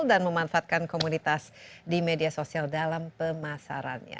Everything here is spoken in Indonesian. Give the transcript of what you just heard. dan memanfaatkan komunitas di media sosial dalam pemasarannya